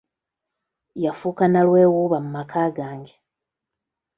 Yafuuka nnalwewuuba mu maka gange.